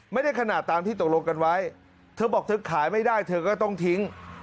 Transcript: ไม่ได้ขนาดตามที่ตกลงกันไว้เธอบอกเธอขายไม่ได้เธอก็ต้องทิ้ง